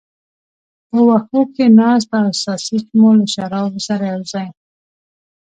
په وښو کې ناست او ساسیج مو له شرابو سره یو ځای.